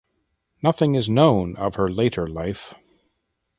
Nothing is known of her later life.